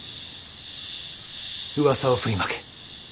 うわさを振りまけ。